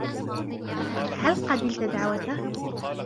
هل قبلت دعوته؟